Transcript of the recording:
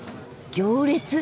行列！